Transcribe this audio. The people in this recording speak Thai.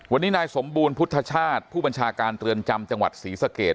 วันนี้นายสมบูรณพุทธชาติผู้บัญชาการเรือนจำจังหวัดศรีสะเกด